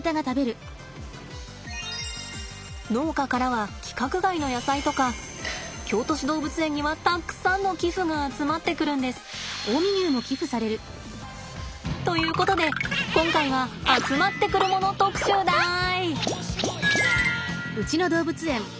農家からは規格外の野菜とか京都市動物園にはたくさんの寄付が集まってくるんです。ということで今回は集まってくるもの特集だい。